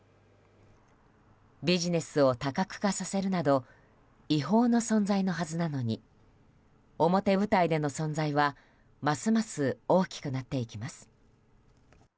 ビジネスを多角化させるなど違法の存在のはずなのに表舞台での存在はますます大きくなっていきます。